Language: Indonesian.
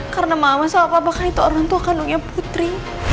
karena mama sama papa kan itu orang tua kandungnya putri